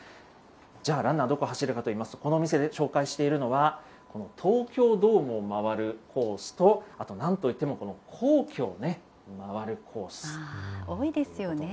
じゃあ、ランナーどこを走るかといいますと、このお店で紹介しているのは、この東京ドームを回るコースと、あとなんといっても、多いですよね。